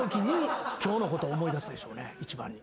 一番に。